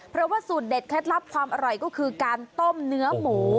เพราะว่าสูตรเด็ดเคล็ดลับความอร่อยก็คือการต้มเนื้อหมู